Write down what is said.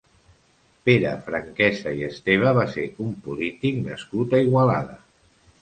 Pere Franquesa i Esteve va ser un polític nascut a Igualada.